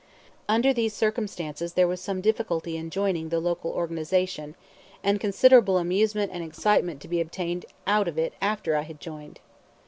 Under these circumstances there was some difficulty in joining the local organization, and considerable amusement and excitement to be obtained out of it after I had joined.